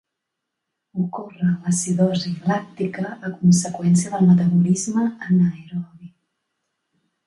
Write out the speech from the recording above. Ocorre l'acidosi làctica a conseqüència del metabolisme anaerobi.